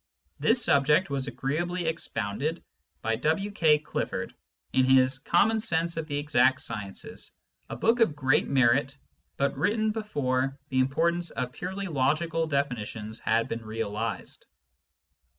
This subject was agree ably expounded by W. K. Clifford in his Common Sense of the Exact Sciences, a book of great merit, but written before the importance of purely logical definitions had been realised.